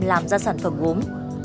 làm ra sản phẩm gốm